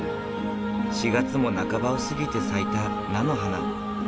４月も半ばを過ぎて咲いた菜の花。